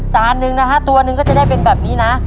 จานหนึ่งนะฮะตัวหนึ่งก็จะได้เป็นแบบนี้นะ